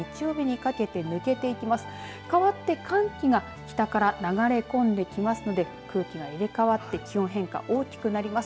かわって、寒気が北から流れ込んできますので空気が入れ替わって気温変化が大きくなります。